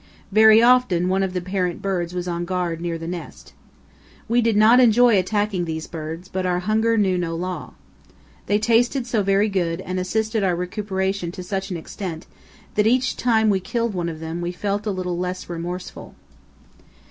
Very often one of the parent birds was on guard near the nest. We did not enjoy attacking these birds, but our hunger knew no law. They tasted so very good and assisted our recuperation to such an extent that each time we killed one of them we felt a little less remorseful.